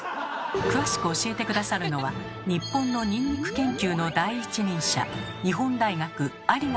詳しく教えて下さるのは日本のニンニク研究の第一人者